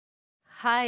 はい。